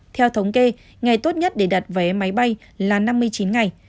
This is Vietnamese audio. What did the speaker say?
theo thống kê ngày tốt nhất để đặt vé máy bay là năm mươi chín ngày